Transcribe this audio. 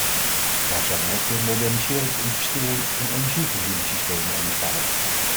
Daar zou dan ook de moderniseringsinvestering in energievoorzieningssystemen onder vallen.